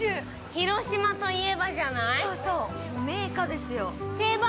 広島といえばじゃない。